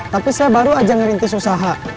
tapi saya baru aja merintis usaha